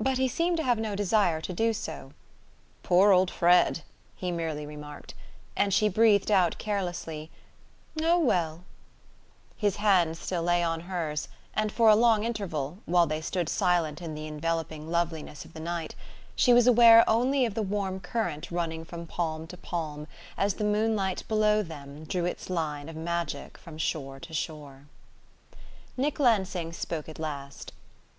But he seemed to have no desire to do so. "Poor old Fred!" he merely remarked; and she breathed out carelessly: "Oh, well " His hand still lay on hers, and for a long interval, while they stood silent in the enveloping loveliness of the night, she was aware only of the warm current running from palm to palm, as the moonlight below them drew its line of magic from shore to shore. Nick Lansing spoke at last.